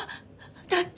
だって！